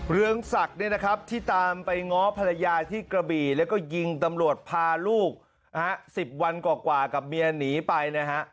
เรืองศักดิ์ที่ตามไปง้อภรรยาที่กระบีแล้วก็ยิงตำรวจพาลูก๑๐วันกว่ากับเมียหนีไป